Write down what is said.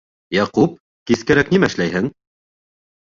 — Яҡуп, кискәрәк нимә эшләйһең?